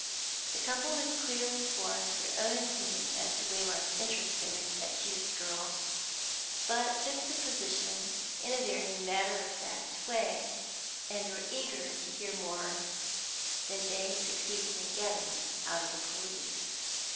The couple had clearly formed their own opinion as to Waymark's interest in the accused girl, but took the position in a very matter of fact way, and were eager to hear more than they succeeded in getting out of the police.